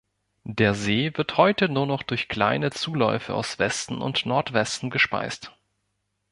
Der See wird heute nur noch durch kleine Zuläufe aus Westen und Nordwesten gespeist.